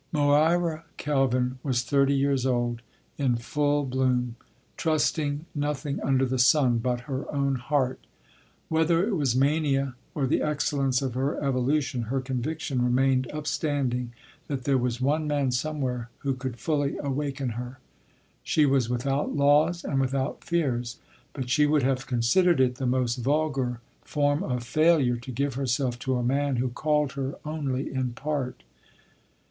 Moira Kelvin was thirty years old, in full bloom, trusting nothing under the sun but her own heart. Whether it was mania or the excellence of her evolution, her conviction remained upstanding that there was one man somewhere who could fully awaken her. She was without laws and without fears, but she would have considered it the most vulgar form of failure to give herself to a man who called her only in part.